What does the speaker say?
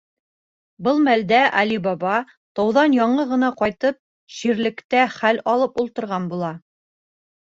Был мәлдә Али Баба, тауҙан яңы ғына ҡайтып, ширлектә хәл алып ултырған була.